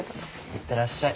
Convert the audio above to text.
いってらっしゃい。